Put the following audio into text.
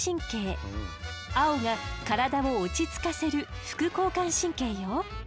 青が体を落ち着かせる副交感神経よ。